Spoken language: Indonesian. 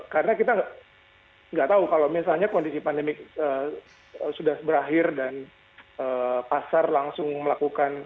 karena kita gak tahu kalau misalnya kondisi pandemi sudah berakhir dan pasar langsung melakukan recovery